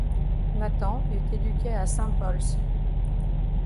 Nathan est éduqué à St Paul's.